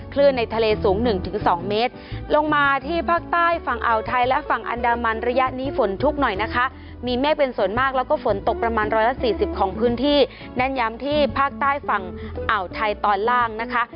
ในทะเลสูง๑๒เมตรลงมาที่ภาคใต้ฝั่งอ่าวไทยและฝั่งอันดามันระยะนี้ฝนชุกหน่อยนะคะมีเมฆเป็นส่วนมากแล้วก็ฝนตกประมาณร้อยละสี่สิบของพื้นที่เน้นย้ำที่ภาคใต้ฝั่งอ่าวไทยตอนล่างนะคะ